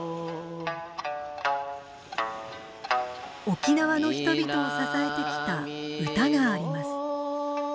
沖縄の人々を支えてきた唄があります。